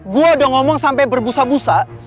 gue udah ngomong sampai berbusa busa